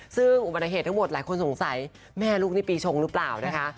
ซึ่งอุบัติเหตุทั้งหมดหลายคนสงสัยแม่ลูกนี่ปีชงหรือเปล่านะคะ